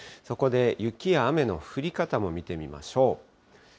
そこで雪や雨の降り方を見てみましょう。